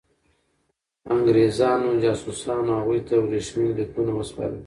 انګرېزانو جاسوسانو هغوی ته ورېښمین لیکونه وسپارل.